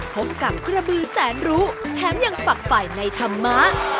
พบกับกระบือแสนรู้แถมยังฝักฝ่ายในธรรมะ